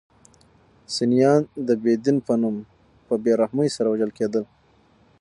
سنیان د بې دین په نوم په بې رحمۍ سره وژل کېدل.